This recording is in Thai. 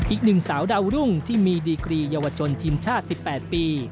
อีกหนึ่งสาวดาวรุ่งที่มีดีกรีเยาวชนทีมชาติ๑๘ปี